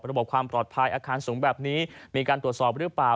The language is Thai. ระบบความปลอดภัยอาคารสูงแบบนี้มีการตรวจสอบหรือเปล่า